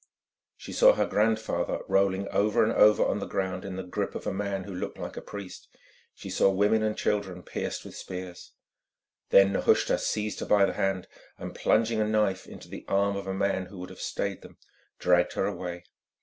She saw her grandfather rolling over and over on the ground in the grip of a man who looked like a priest; she saw women and children pierced with spears. Then Nehushta seized her by the hand, and plunging a knife into the arm of a man who would have stayed them, dragged her away.